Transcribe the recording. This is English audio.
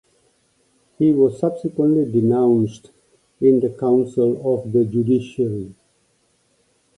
He was subsequently denounced in the Council of the Judiciary.